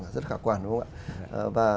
rất khả quan đúng không ạ và